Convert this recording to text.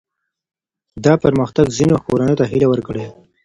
دا پرمختګ ځینو کورنیو ته هیله ورکړې.